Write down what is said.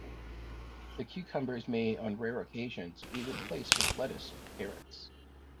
The cucumbers may on rare occasions be replaced with lettuce or carrots.